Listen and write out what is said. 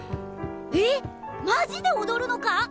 えっマジで踊るのか？